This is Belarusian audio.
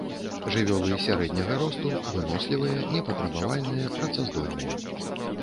Жывёлы сярэдняга росту, вынослівыя, непатрабавальныя, працаздольныя.